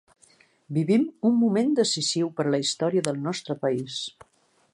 Vivim un moment decisiu per a la història del nostre país.